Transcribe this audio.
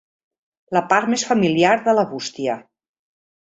La part més familiar de la bústia.